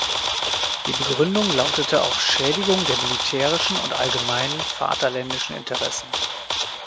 Die Begründung lautete auf Schädigung der militärischen und allgemeinen vaterländischen Interessen.